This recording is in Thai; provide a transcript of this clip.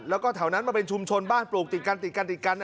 แล้วก็แถวนั้นมาเป็นชุมชนบ้านปลูกติดกัน